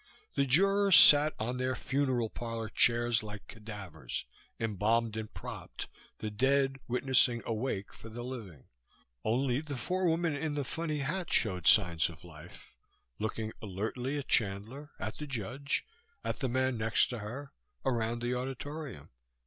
The jurors sat on their funeral parlor chairs like cadavers, embalmed and propped, the dead witnessing a wake for the living. Only the forewoman in the funny hat showed signs of life, looking alertly at Chandler, at the judge, at the man next to her, around the auditorium.